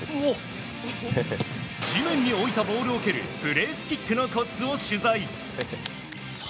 地面に置いたボールを蹴るプレースキックのコツを取材。